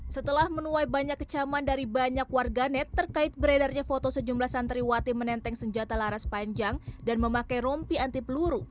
setelah menuai banyak kecaman dari banyak warganet terkait beredarnya foto sejumlah santriwati menenteng senjata laras panjang dan memakai rompi anti peluru